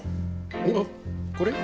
あっこれ？